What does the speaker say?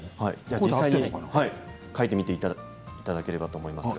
書いてみていただければと思います。